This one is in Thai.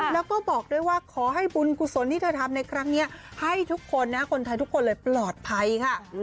แล้วก็บอกด้วยว่าขอให้บุญกุศลที่เธอทำในครั้งนี้ให้ทุกคนนะคนไทยทุกคนเลยปลอดภัยค่ะ